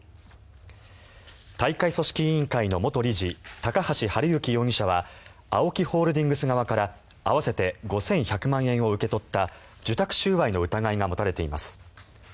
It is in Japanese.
大会組織委員会の元理事高橋治之容疑者はＡＯＫＩホールディングス側から合わせて５１００万円を受け取った受託収賄の疑いが持たれています。